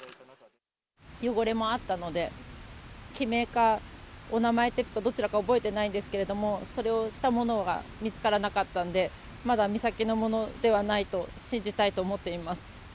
汚れもあったので、記名かお名前テープかどちらか覚えてないんですけれども、それをしたものが見つからなかったんで、まだ美咲のものではないと信じたいと思っています。